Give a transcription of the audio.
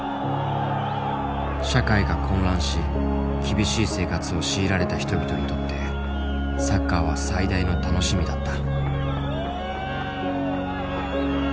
社会が混乱し厳しい生活を強いられた人々にとってサッカーは最大の楽しみだった。